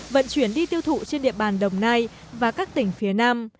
vận chuyển đi tiêu thụ trên địa bàn đồng nai và các tỉnh phía nam